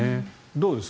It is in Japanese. どうです？